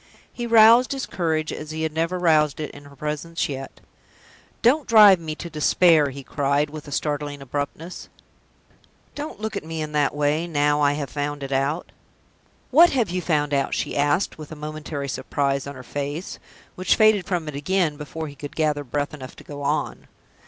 He roused his courage as he had never roused it in her presence yet. "Don't drive me to despair!" he cried, with a startling abruptness. "Don't look at me in that way, now I have found it out!" "What have you found out?" she asked, with a momentary surprise on her face, which faded from it again before he could gather breath enough to go on.